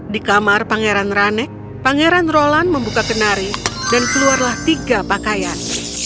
di kamar pangeran rane pangeran roland membuka kenari dan keluarlah tiga pakaian